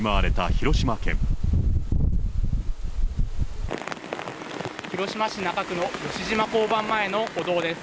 広島市中区の交番前の歩道です。